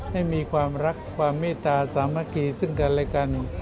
ให้มีความรักความเมตตาสามัคคีซึ่งกันและกัน